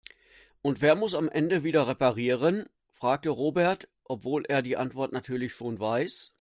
Und wer muss es am Ende wieder reparieren?, fragt Robert, obwohl er die Antwort natürlich schon weiß.